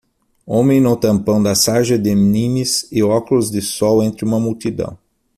Homem no tampão da sarja de Nimes e óculos de sol entre uma multidão.